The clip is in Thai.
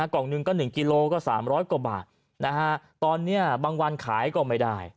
กล่องหนึ่งก็๑กิโลก็๓๐๐กว่าบาทนะฮะตอนนี้บางวันขายก็ไม่ได้